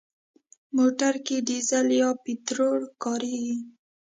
موټر کې ډيزل یا پټرول کارېږي.